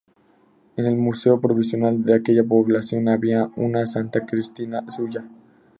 En el Museo provincial de aquella población había "Una Santa Cristina" suya.